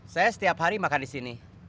saya setiap hari makan di sini